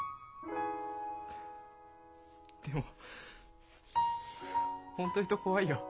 でも本当言うと怖いよ。